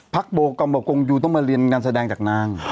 โบกัมโบกงยูต้องมาเรียนงานแสดงจากนาง